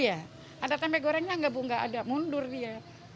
iya ada tempe gorengnya nggak ada mundur dia